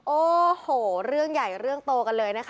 โอ้โหเรื่องใหญ่เรื่องโตกันเลยนะคะ